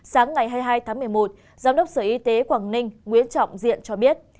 sáng ngày hai mươi hai tháng một mươi một giám đốc sở y tế quảng ninh nguyễn trọng diện cho biết